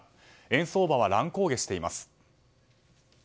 円相場は乱高下しています。